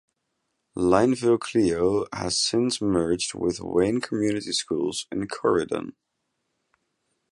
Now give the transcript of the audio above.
Lineville-Clio has since merged with Wayne Community Schools in Corydon.